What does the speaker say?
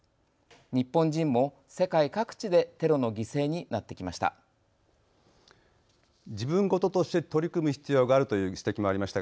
日本人も世界各地でテロの犠牲になってきました。